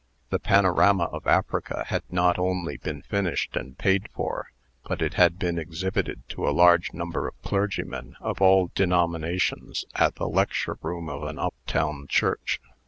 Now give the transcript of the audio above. The panorama of Africa had not only been finished and paid for, but it had been exhibited to a large number of clergymen of all denominations, at the lecture room of an up town church.